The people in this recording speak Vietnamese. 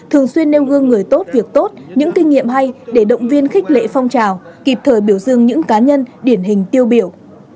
thường xuyên nêu gương người tốt việc tốt những kinh nghiệm hay để động viên khích lệ phong trào kịp thời biểu dương những cá nhân điển hình tiêu biểu